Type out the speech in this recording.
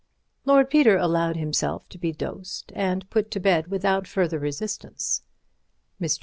Lord Peter allowed himself to be dosed and put to bed without further resistance. Mr.